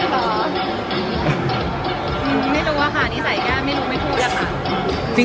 แล้วผมแบบ